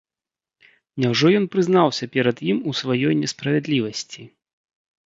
Няўжо ён прызнаўся перад ім у сваёй несправядлівасці?